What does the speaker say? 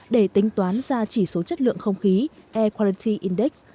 để tính toán ra chỉ số chất lượng không khí air korenti index